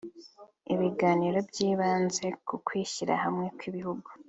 ibiganiro byibanze ku kwishyirahamwe kw’ ibihugu